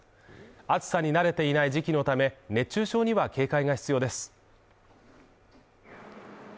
暑さに慣れていない時期のため、熱中症には警戒が必要です。